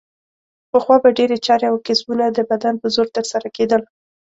پخوا به ډېرې چارې او کسبونه د بدن په زور ترسره کیدل.